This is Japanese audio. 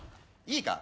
いいか？